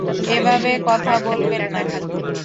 এভাবে কথা বলবেন না।